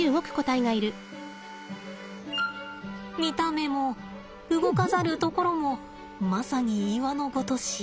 見た目も動かざるところもまさに岩のごとし。